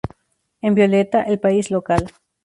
En violeta, el país local.